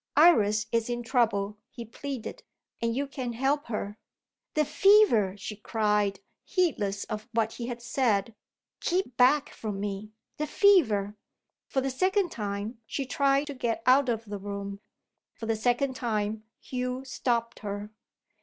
"Iris is in trouble," he pleaded, "and you can help her." "The fever!" she cried, heedless of what he had said. "Keep back from me the fever!" For the second time she tried to get out of the room. For the second time Hugh stopped her.